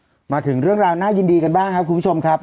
มาถึงเรื่องราวน่ายินดีกันบ้างครับคุณผู้ชมครับ